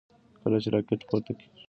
کله چې راکټ پورته کیږي ډېر غږ کوي.